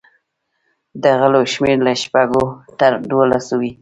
د غړو شمېر له شپږو تر دولسو وي.